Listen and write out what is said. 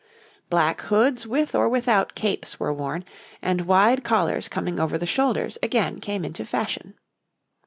Black hoods with or without capes were worn, and wide collars coming over the shoulders again came into fashion.